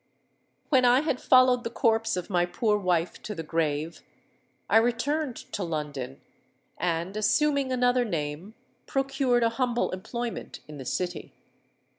"When I had followed the corpse of my poor wife to the grave, I returned to London; and, assuming another name, procured a humble employment in the City.